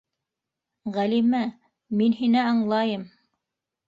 Ғәлимә, мин һине аңлайым...